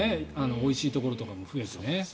おいしいところとかも増えて。